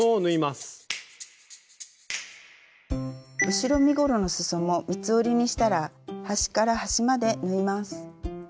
後ろ身ごろのすそも三つ折りにしたら端から端まで縫います。